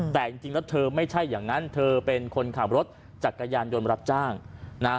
แต่จริงแล้วเธอไม่ใช่อย่างนั้นเธอเป็นคนขับรถจักรยานยนต์รับจ้างนะ